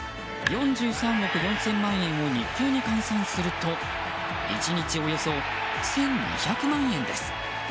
４３億４０００万円を日給に換算すると１日およそ１２００万円です。